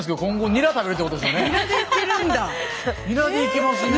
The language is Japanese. ニラでいけますね。